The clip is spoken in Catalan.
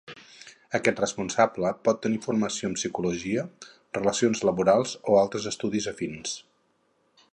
Aquest responsable pot tenir formació en psicologia, relacions laborals o altres estudis afins.